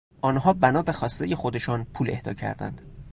آنها بنا به خواستهی خودشان پول اهدا کردند.